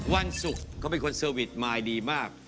วันศุกร์เขาเป็นคนเซอร์วิสมายดีมาก